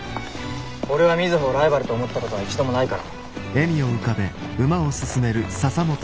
俺は瑞穂をライバルと思ったことは一度もないから。